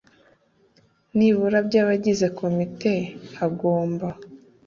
nibura by abagize komite hagomba